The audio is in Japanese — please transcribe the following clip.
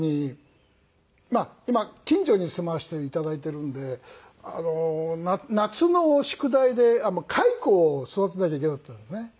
まあ今近所に住まわせていただいてるんで夏の宿題で蚕を育てなきゃいけなかったんですね。